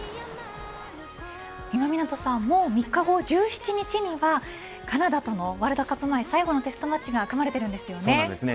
今湊さんもう３日後、１７日にはカナダとのワールドカップ前最後のテストマッチが組まれているんですよね。